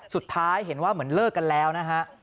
สุดท้ายเห็นว่าเหมือนเลิกกันแล้วนะฮะ